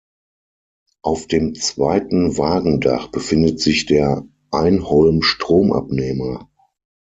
Auf dem zweiten Wagendach befindet sich der Einholmstromabnehmer.